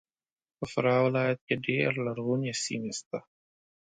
په فراه ولایت کې ډېر لرغونې سیمې سته